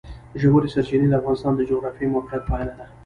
ژورې سرچینې د افغانستان د جغرافیایي موقیعت پایله ده.